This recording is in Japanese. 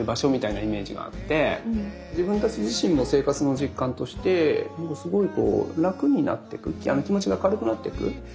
自分たち自身も生活の実感としてすごいこう楽になってく気持ちが軽くなっていく。